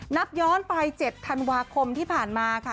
นับย้อนไป๗ธันวาคมที่ผ่านมาค่ะ